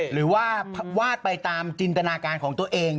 หรือว่าวาดไปตามจินตนาการของตัวเอง